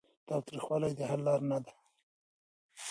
تاوتریخوالی د حل لاره نه ده.